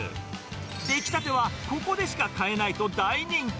出来たてはここでしか買えないと、大人気。